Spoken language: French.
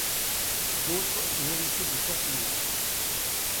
D’autres se hérissaient de champignons.